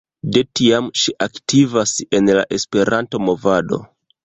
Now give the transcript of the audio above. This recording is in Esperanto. De tiam ŝi aktivas en la Esperanto-movado.